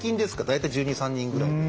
大体１２１３人ぐらい。